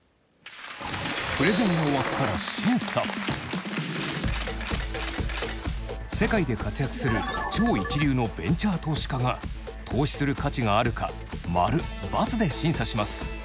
プレゼンが終わったら世界で活躍する超一流のベンチャー投資家が投資する価値があるかマルバツで審査します。